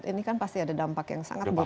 ini kan pasti ada dampak yang sangat bagus